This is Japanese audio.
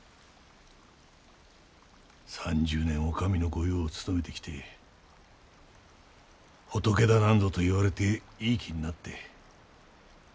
３０年お上のご用を勤めてきて仏だなんぞと言われていい気になって。